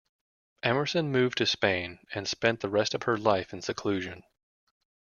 Emerson moved to Spain and spent the rest of her life in seclusion.